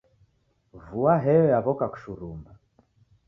Vua heyo yaw'oka kushurumba.